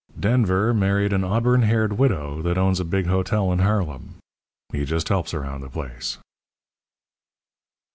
"Denver married an auburn haired widow that owns a big hotel in Harlem. He just helps around the place."